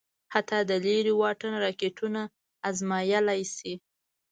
حتی د لېرې واټن راکېټونه ازمايلای شي.